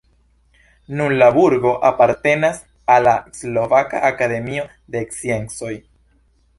Nun la burgo apartenas al la Slovaka Akademio de Sciencoj.